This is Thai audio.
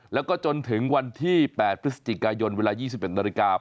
แล้วก็จนถึงวันที่๘พฤศจิกายนเวลา๒๑นาฬิกา